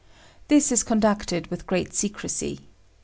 _ This is conducted with great secrecy.